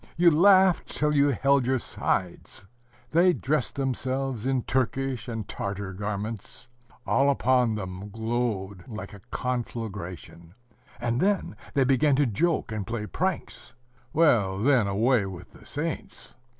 you laughed till you held your sides. They dressed themselves in Turkish and Tartar garments. All upon them glowed like a conflagration, ... and then they began to joke and play pranks. ... Well, then away with the saints!